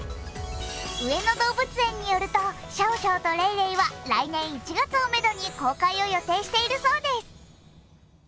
上野動物園によると、シャオシャオとレイレイは来年１月をめどに公開を予定しているそうです。